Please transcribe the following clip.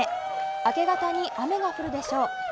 明け方に雨が降るでしょう。